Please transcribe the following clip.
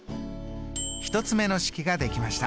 １つ目の式ができました。